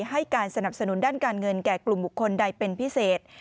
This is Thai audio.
ให้การสนับสนุนด้านการเงินแก่กลุ่มบุคคลใดเป็นพิเศษ